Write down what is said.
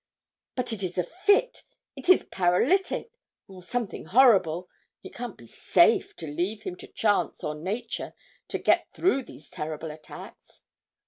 'But it is a fit, it is paralytic, or something horrible it can't be safe to leave him to chance or nature to get through these terrible attacks.'